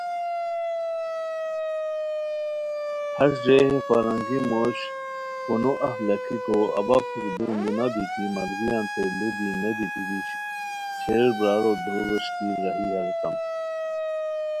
ہݰ رے ہے فرنگی موش فونو اف لکھیکو اوا پُھک دُون دُونہ بیتی ملگریانتین لُو دی نودیتی شیر برارو دُورو ووݰکی راہی اریتام